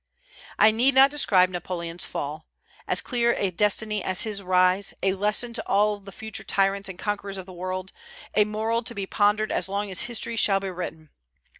I need not describe Napoleon's fall, as clear a destiny as his rise; a lesson to all the future tyrants and conquerors of the world; a moral to be pondered as long as history shall be written.